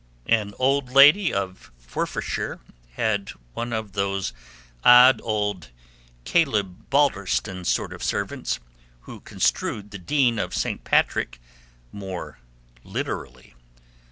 An old lady of Forfarshire had one of those odd old Caleb Balderston sort of servants, who construed the Dean of St. Patrick more literally.